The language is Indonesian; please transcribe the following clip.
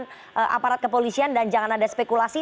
dan aparat kepolisian dan jangan ada spekulasi